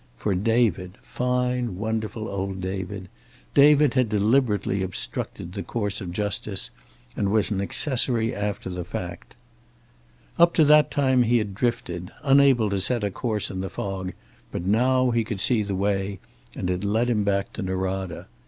For David, fine, wonderful old David David had deliberately obstructed the course of justice, and was an accessory after the fact. Up to that time he had drifted, unable to set a course in the fog, but now he could see the way, and it led him back to Norada.